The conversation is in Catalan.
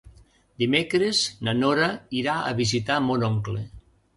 Dimecres na Nora irà a visitar mon oncle.